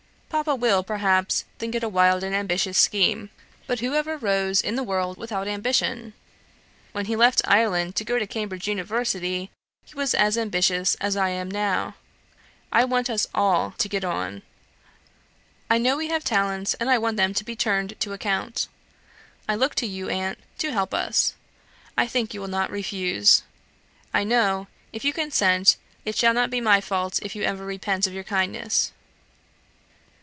Papa will, perhaps, think it a wild and ambitious scheme; but who ever rose in the world without ambition? When he left Ireland to go to Cambridge University, he was as ambitious as I am now. I want us all to get on. I know we have talents, and I want them to be turned to account. I look to you, aunt, to help us. I think you will not refuse. I know, if you consent, it shall not be my fault if you ever repent your kindness."